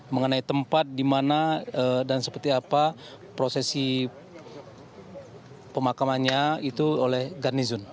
mengenai tempat di mana dan seperti apa prosesi pemakamannya itu oleh garnizon